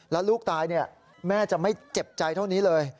แล้วลูกตายแม่จะไม่เจ็บใจเท่านี้เลย